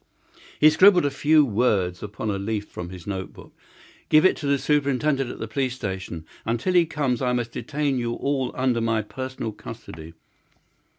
He scribbled a few words upon a leaf from his note book. "Give it to the superintendent at the police station. Until he comes I must detain you all under my personal custody."